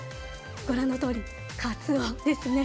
ご覧のとおりカツオですね。